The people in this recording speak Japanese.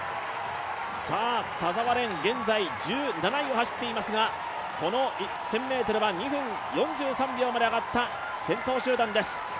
田澤廉、現在１７位を走っていますがこの１５００ｍは２分４３秒まで上がった先頭集団です。